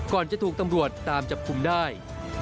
ก่อนจะถูกตำรวจตามจับคุมได้